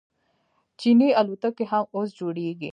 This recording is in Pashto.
چیني الوتکې هم اوس جوړیږي.